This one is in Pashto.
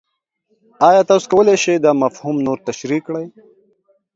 ایا تاسو کولی شئ دا مفهوم نور تشریح کړئ؟